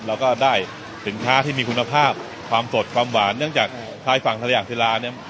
เราก็ได้สินค้าที่มีคุณภาพความสดความหวานเนื่องจากชายฝั่งทะเลอ่างศิลาเนี่ย